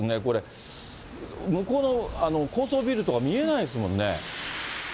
これ、向こうの、高層ビルとか見えないですもんね。